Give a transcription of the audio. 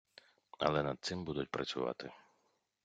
Але над цим будуть працювати.